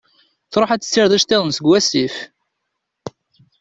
Tṛuḥ ad d-tessired iceṭṭiḍen seg wasif.